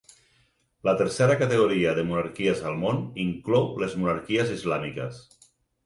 La tercera categoria de monarquies al món inclou les monarquies islàmiques.